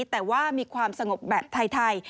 แต่ว่ามีความสงบแบบไทย